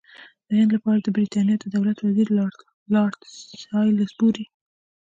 د هند لپاره د برټانیې د دولت وزیر لارډ سالیزبوري.